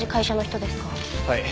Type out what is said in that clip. はい。